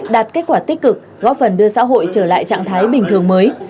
đạt kết quả tích cực góp phần đưa xã hội trở lại trạng thái bình thường mới